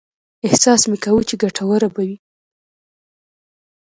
احساس مې کاوه چې ګټوره به وي.